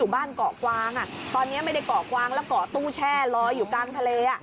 บ้านเกาะกวางตอนนี้ไม่ได้เกาะกวางแล้วเกาะตู้แช่ลอยอยู่กลางทะเล